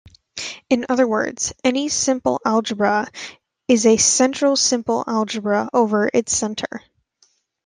In other words, any simple algebra is a central simple algebra over its center.